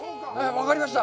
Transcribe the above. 分かりました。